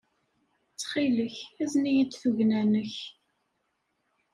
Ttxil-k, azen-iyi-d tugna-nnek.